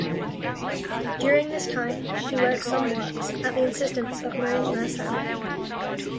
During this time he wrote some works, at the insistence of Marin Mersenne.